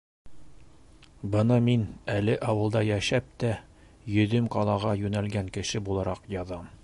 Быны мин әле ауылда йәшәп тә йөҙөм ҡалаға йүнәлгән кеше булараҡ яҙам.